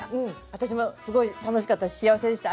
私もすごい楽しかったし幸せでした。